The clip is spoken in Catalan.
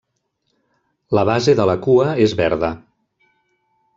La base de la cua és verda.